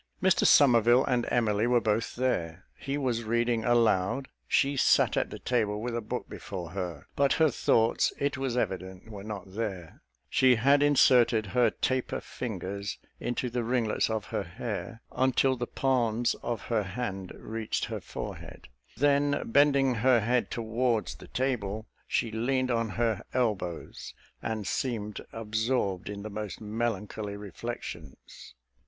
Mr Somerville and Emily were both there. He was reading aloud; she sat at the table with a book before her: but her thoughts, it was evident, were not there; she had inserted her taper fingers into the ringlets of her hair, until the palms of her hand reached her forehead; then, bending her head towards the table, she leaned on her elbows, and seemed absorbed in the most melancholy reflections.